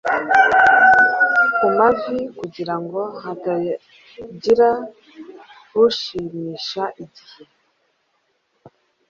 kumavi kugirango hatagira ushimisha igihe